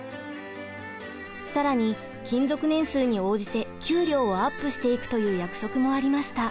更に勤続年数に応じて給料をアップしていくという約束もありました。